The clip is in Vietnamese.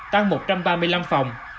tăng một trăm ba mươi năm phòng